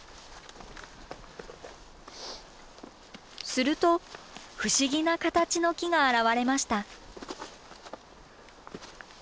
すると不思議な形の木が現れました。